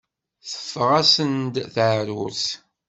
Teffeɣ-asen-d teεrurt.